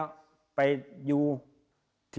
ไม่มีอะไร